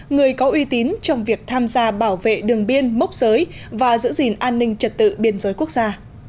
người có uy tín trong việc tham gia bảo vệ đường biên mốc giới và giữ gìn an ninh trật tự biên giới quốc gia